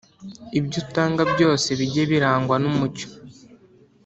Ibyo utanga byose bijye birangwa n’umucyo,